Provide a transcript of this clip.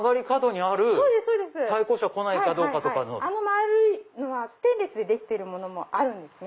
あの丸いのはステンレスでできてるものもあるんですね。